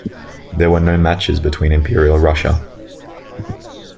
There were no matches between Imperial Russia.